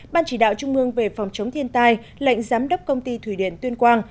ban chỉ đạo trung mương về phòng chống thiên tai lệnh giám đốc công ty thủy điện tuyên quang